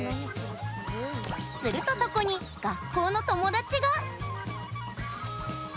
すると、そこに学校の友達が。